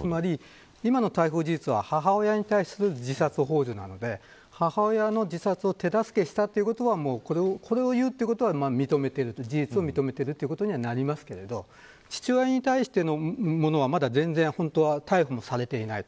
つまり、今の逮捕事実は母親に対する自殺ほう助なので、母親の自殺を手助けしたということを言うということは事実を認めていることになりますけれど父親に対してのものは逮捕も、まだされていません。